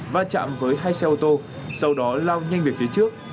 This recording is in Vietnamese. va chạm với hai xe ô tô sau đó lao nhanh về phía trước